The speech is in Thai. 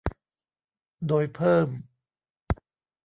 โดยเพิ่ม